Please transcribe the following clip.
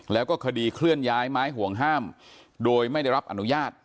แล้วก็คดีเคลื่อนย้ายไม้ห่วงห้ามโดยไม่ได้รับอนุญาต